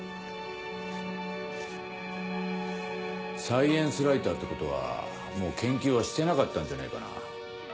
サイエンスライターってことはもう研究はしてなかったんじゃねえかな。